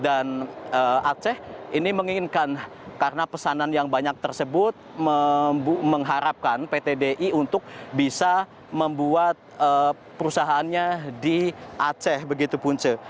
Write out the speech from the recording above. dan aceh ini menginginkan karena pesanan yang banyak tersebut mengharapkan pt di untuk bisa membuat perusahaannya di aceh begitu punca